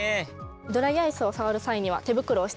ドライアイスを触る際には手袋をしていただきます。